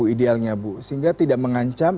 idealnya bu sehingga tidak mengancam